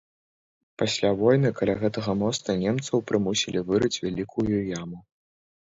Пасля войны каля гэтага моста немцаў прымусілі вырыць вялікую яму.